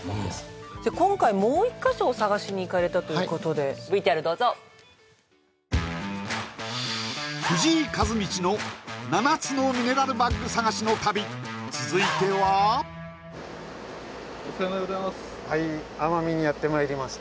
今回もう一か所探しに行かれたということでＶＴＲどうぞ藤井一至の７つのミネラルバッグ探しの旅続いては奄美？